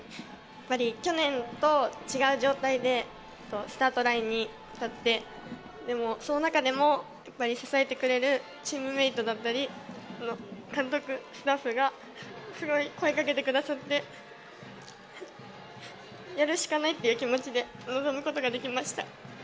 去年と違う状態でスタートラインに立って、その中でも支えてくれるチームメートだったり、監督、スタッフがすごい声をかけてくださって、やるしかないという気持ちで臨むことができました。